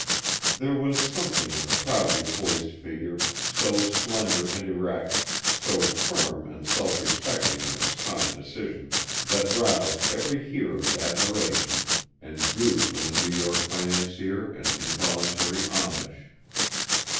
There was something in the proudly poised figure, so slender and erect, so firm and self respecting in its calm decision, that roused every hearer's admiration and drew from the New York financier an involuntary homage.